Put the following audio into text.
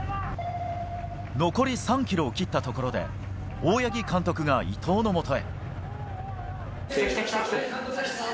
残り３キロを切った所で、大八木監督が伊藤のもとへ。